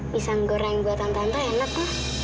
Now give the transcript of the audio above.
pisang goreng buatan tante enak tuh